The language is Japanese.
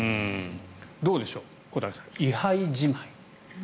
どうでしょう、小谷さん位牌じまい。